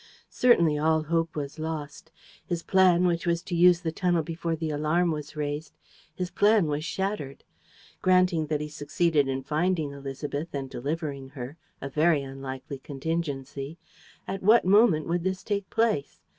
Certainly, all hope was lost. His plan, which was to use the tunnel before the alarm was raised, his plan was shattered. Granting that he succeeded in finding Élisabeth and delivering her, a very unlikely contingency, at what moment would this take place?